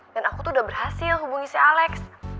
dan aku tuh udah berhasil hubungi si alex